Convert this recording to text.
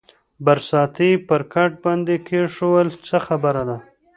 برساتۍ یې پر کټ باندې کېښوول، څه خبره ده؟